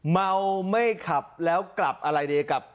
เมาไม่ขับแล้วกลับอะไรดีกับ